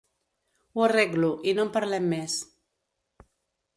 Ho arreglo, i no en parlem més.